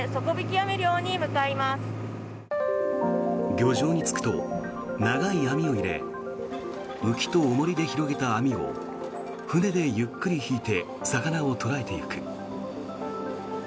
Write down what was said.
漁場に着くと長い網を入れ浮きと重りで広げた網を船でゆっくり引いて魚を捕らえていく。